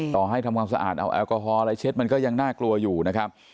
ต่อให้ทำความสะอาดเอาแอลกอฮอล์อะไรเช็ดมันก็ยังน่ากลัวอยู่นะครับ